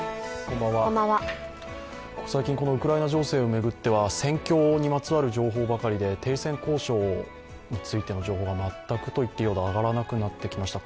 最近、このウクライナ情勢を巡っては戦況にまつわる情報ばかりで停戦交渉についての情報が全くといっていいほど上がらなくなってきました。